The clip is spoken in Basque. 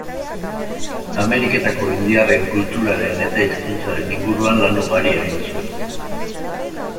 Ameriketako indiarren kulturaren eta hizkuntzaren inguruan lan ugari egin zuen.